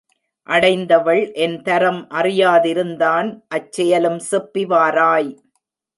அடைந்தவள் என்தரம் அறியா திருந்தான் அச்செயலும் செப்பி வாராய்!